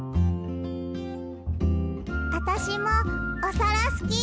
あたしもおさらすき！